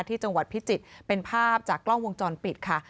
ที่จังหวัดพิจิตรเป็นภาพจากกล้องวงจรปิดค่ะ